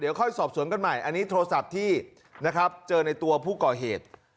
เดี๋ยวค่อยสอบสวนกันใหม่อันนี้โทรศัพท์ที่นะครับเจอในตัวผู้ก่อเหตุ